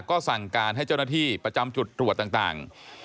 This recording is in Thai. ก็สั่งการให้เจ้าหน้าที่ประจำจุดตรวจต่าง